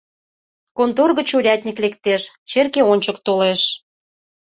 Контор гыч урядник лектеш, черке ончык толеш.